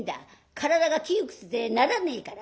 体が窮屈でならねえからな」。